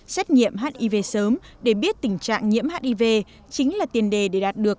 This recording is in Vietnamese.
xét nghiệm hiv sớm để biết tình trạng nhiễm hiv chính là tiền đề để đạt được